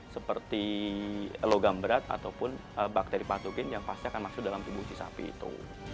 seperti logam berat ataupun bakteri patogen yang pasti akan masuk dalam tubuh si sapi itu